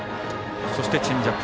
そしてチェンジアップ。